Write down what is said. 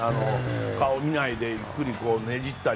顔を見ないでゆっくりねじったり。